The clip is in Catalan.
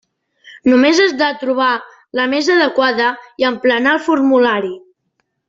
Només has de trobar la més adequada i emplenar el formulari.